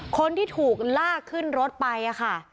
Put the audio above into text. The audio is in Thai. คนที่ถูกลากขึ้นรถไปค่ะ